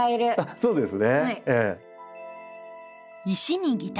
そうですね。